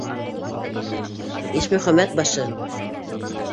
Ишмөхәмәт башы.